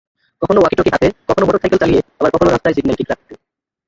কখনো ওয়াকিটকি হাতে, কখনো মোটরসাইকেল চালিয়ে আবার কখনো রাস্তায় সিগন্যাল ঠিক রাখতে।